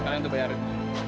kalian tuh bayarin